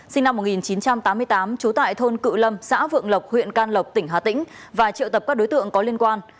sinh năm một nghìn chín trăm tám mươi tám trú tại thôn cự lâm xã vượng lộc huyện can lộc tỉnh hà tĩnh và triệu tập các đối tượng có liên quan